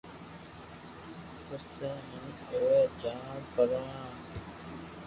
پسو ھين ايوي جاوو پرو